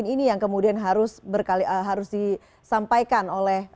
oke oke bahwa kemudian narasi yang disampaikan bahwa dengan divaksin ini akan menurunkan potensi untuk